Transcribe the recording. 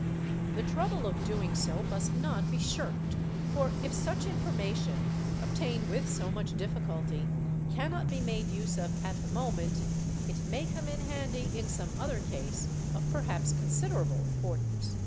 The trouble of doing so must not be shirked, for if such information, obtained with so much difficulty, cannot be made use of at the moment, it may come in handy in some other case of perhaps considerable importance.